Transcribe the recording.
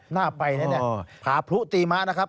หน้าไปนี่ผาพลุตีมะนะครับ